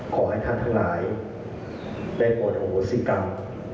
ขอให้ท่านทั้งหลายได้อวดโหสิกรรม